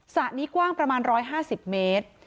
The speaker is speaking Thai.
สระนี้กว้างประมาณ๑๕๐เมตร